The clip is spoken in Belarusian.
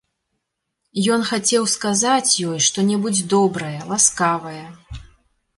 Ён хацеў сказаць ёй што-небудзь добрае, ласкавае.